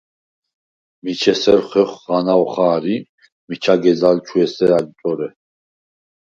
“მიჩ ესერ ხეხუ̂ ღანაუ̂ ხა̄რ ი მიჩა გეზალ ჩუ ესერ ა̈დწორე”.